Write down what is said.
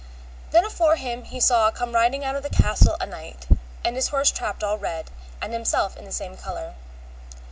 Then afore him he saw come riding out of a castle a knight, and his horse trapped all red, and himself in the same colour.